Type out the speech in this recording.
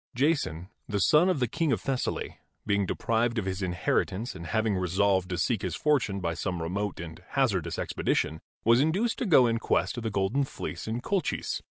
Jason, the son of the King of Thessaly, being deprived of his inheritance and having resolved to seek his fortune by some remote and hazardous expedition, was induced to go in quest of the Golden Fleece in Colchis.